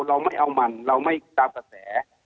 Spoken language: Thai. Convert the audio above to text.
เราไม่เอามันเราไม่ตามกระแส